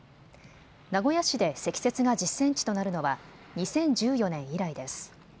名古屋市で積雪が１０センチとなるのは２０１４年以来です。